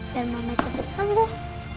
biar mama cepet sembuh